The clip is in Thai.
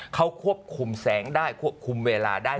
เขาควบคุมแสงได้ควบคุมเวลาได้